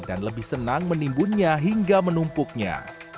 dan lebih senang menimbunnya hingga menumpuknya